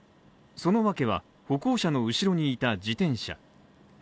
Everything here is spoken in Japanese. そのわけは、歩行者の後ろにいた自転車。